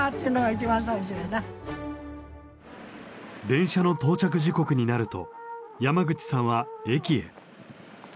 電車の到着時刻になると山口さんは駅へ。